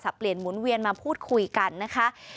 เปลี่ยนหมุนเวียนมาพูดคุยกันนะคะ